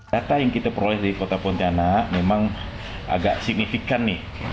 data yang kita peroleh di kota pontianak memang agak signifikan nih